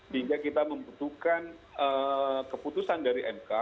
sehingga kita membutuhkan keputusan dari mk